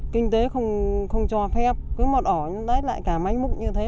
kinh tế không cho phép cứ một ổ đáy lại cả máy múc như thế